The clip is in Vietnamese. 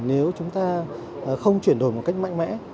nếu chúng ta không chuyển đổi một cách mạnh mẽ